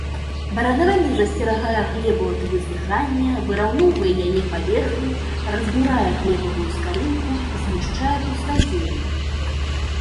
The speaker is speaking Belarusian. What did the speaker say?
Баранаванне засцерагае глебу ад высыхання, выраўноўвае яе паверхню, разбурае глебавую скарынку, знішчае пустазелле.